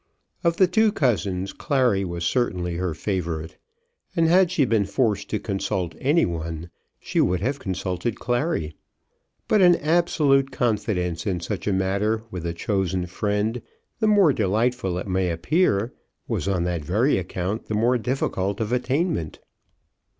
Of the two cousins Clary was certainly her favourite, and had she been forced to consult any one, she would have consulted Clary. But an absolute confidence in such a matter with a chosen friend, the more delightful it might appear, was on that very account the more difficult of attainment.